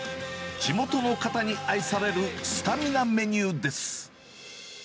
地元の方に愛されるスタミナメニューです。